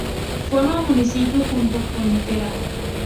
Forma municipio junto con Litera.